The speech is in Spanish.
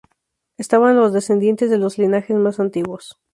Estaban los descendientes de los linajes más antiguos.